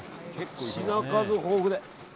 品数豊富で。